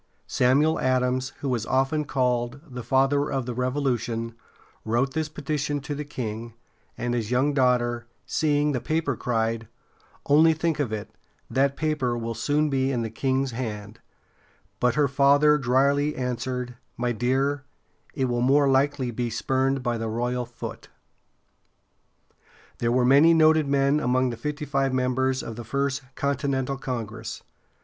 Samuel Adams, who is often called the "Father of the Revolution," wrote this petition to the king; and his young daughter, seeing the paper, cried: "Only think of it; that paper will soon be in the king's hand!" But her father dryly answered: "My dear, it will more likely be spurned by the royal foot!" [Illustration: PART OF THE NORTHERN STATES COUNTRY AROUND BOSTON] There were many noted men among the fifty five members of the First Continental Congress.